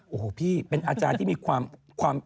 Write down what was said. โอ้โหพี่เป็นอาจารย์ที่มีความ